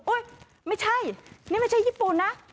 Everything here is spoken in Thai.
ไม่ใช่นี่ไม่ใช่ญี่ปุ่นนะ